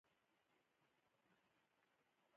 هغه پاکستان ته کډوال شو او په مجله کې یې کار وکړ